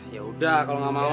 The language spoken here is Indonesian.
yaudah kalo gak mau